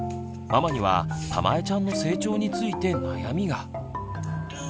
ママにはたまえちゃんの成長について悩みが。